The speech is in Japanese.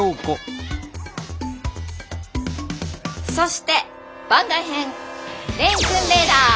そして番外編蓮くんレーダー。